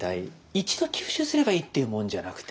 一度吸収すればいいっていうもんじゃなくて。